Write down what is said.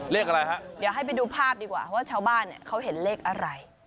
เลขอะไรฮะเดี๋ยวให้ไปดูภาพดีกว่าว่าชาวบ้านเนี่ยเขาเห็นเลขอะไร